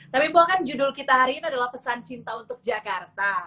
tapi bukan judul kita hari ini adalah pesan cinta untuk jakarta